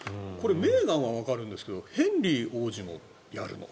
メーガンはわかるんだけどヘンリー王子もやるの？